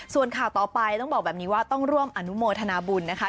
ส่วนข่าวต่อไปต้องบอกแบบนี้ว่าต้องร่วมอนุโมทนาบุญนะคะ